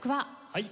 はい！